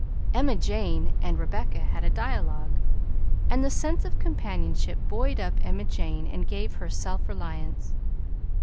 Emma Jane and Rebecca had a dialogue, and the sense of companionship buoyed up Emma Jane and gave her self reliance.